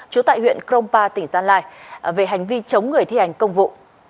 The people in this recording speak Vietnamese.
chú tại huyện krongpa tỉnh gia lai về hành vi chống người thi hành công vụ